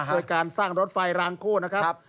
โดยการสร้างรถไฟรางคู่นะครับ